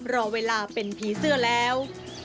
รอเวลาเป็นผีเสื้อแล้ว